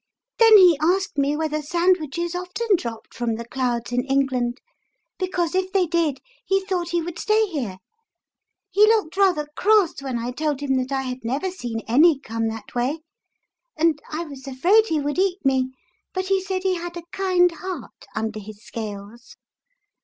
Then he asked me whether sandwiches often dropped from the clouds in England ; because if they did, he thought he would stay here. He looked rather cross when I told him that I had never seen any come that way, and I was afraid he would eat me, but he said he had a kind heart under his scales.